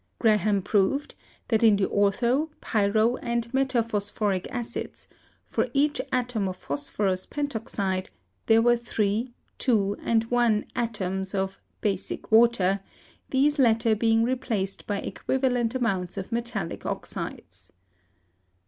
Graham proved that in the ortho , pyro , and meta phosphoric acids, for each "atom" of phos phorus pentoxide there were three, two and one "atoms" of "basic water," these latter being replaced by equivalent amounts of metallic oxides.